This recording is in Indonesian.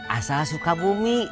asal suka bumi